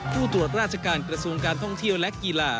ผู้ตรวจราชการกระทรวงการท่องเที่ยวและกีฬา